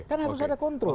kan harus ada kontrol